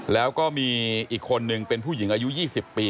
แล้วก็มีอีกคนนึงเป็นผู้หญิงอายุ๒๐ปี